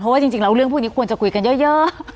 เพราะว่าจริงเรื่องพวกนี้ควรจะคุยกันเยอะ